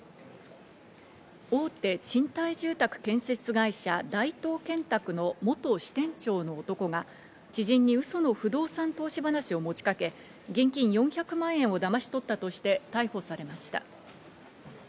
大手賃貸住宅建設会社・大東建託の元支店長の男が、知人にうその不動産投資話を持ちかけ現金４００万円をだまし取ったとして逮捕されました。